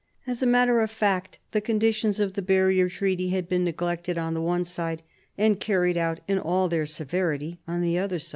As a matter of fact, the conditions of the Barrier Treaty had been neglected on the one side, and carried out in all their severity on the other.